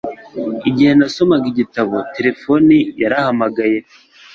Igihe nasomaga igitabo, terefone yarahamagaye.